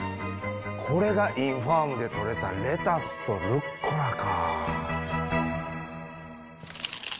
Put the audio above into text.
これがインファームで採れたレタスとルッコラか。